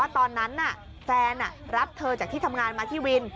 ตอนนั้นแฟนรับเธอจากที่ทำงานมาที่วิน